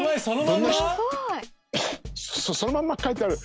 そのまんま書いてある。